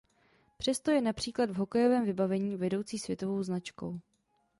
Přesto je například v hokejovém vybavení vedoucí světovou značkou.